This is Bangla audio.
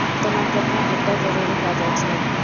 তোমার জন্য একটা জরুরি কাজ আছে।